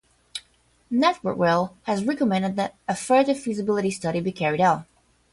Network Rail has recommended that a further feasibility study be carried out.